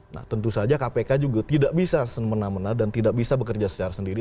nah tentu saja kpk juga tidak bisa semena mena dan tidak bisa bekerja secara sendiri